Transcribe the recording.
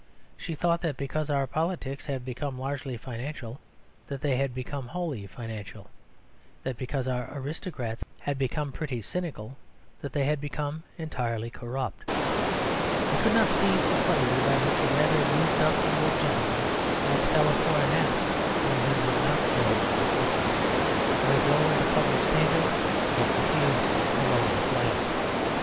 She thought that because our politics have become largely financial that they had become wholly financial; that because our aristocrats had become pretty cynical that they had become entirely corrupt. They could not seize the subtlety by which a rather used up English gentleman might sell a coronet when he would not sell a fortress; might lower the public standards and yet refuse to lower the flag.